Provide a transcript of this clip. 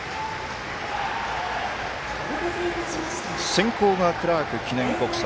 先攻がクラーク記念国際。